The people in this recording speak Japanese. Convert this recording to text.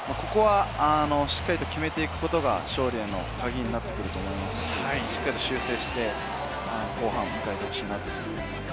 しっかり決めていくことが勝利へのカギになると思いますし、修正して後半を迎えてほしいと思います。